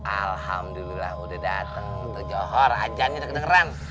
alhamdulillah udah dateng